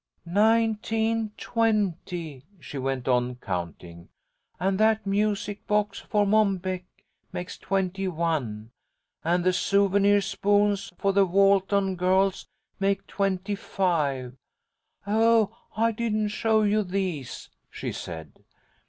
"Nineteen, twenty," she went on counting, "and that music box for Mom Beck makes twenty one, and the souvenir spoons for the Walton girls make twenty five. Oh, I didn't show you these," she said.